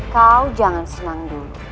kau jangan senang dulu